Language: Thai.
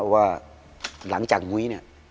ว่าหลังจากมุ้ย